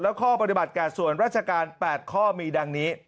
และข้อปฏิบัติแก่ส่วนราชการ๘ข้อมีดังนี้